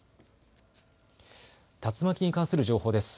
竜巻に関する情報です。